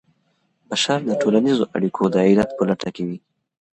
بشر د ټولنيزو اړيکو د علت په لټه کي وي.